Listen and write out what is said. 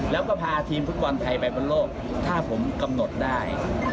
แล้วก็พาทีมฟุตบอลไทยไปบนโลกถ้าผมกำหนดได้